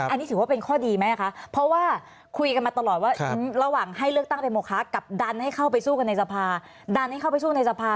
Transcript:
อันนี้ถือว่าเป็นข้อดีไหมนะคะเพราะว่าคุยกันมาตลอดว่าระหว่างให้เลือกตั้งเป็นหมวกค้ากับดันให้เข้าไปสู้กันในสภา